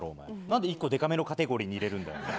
何で１個でかめのカテゴリーに入れるんだよ。